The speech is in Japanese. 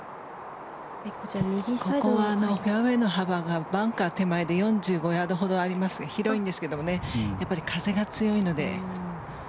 ここはフェアウェーの幅がバンカー手前で４５ヤードほどありまして広いんですけどもね風が強いので。